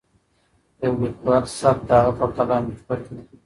د یو لیکوال سبک د هغه په کلام کې پټ وي.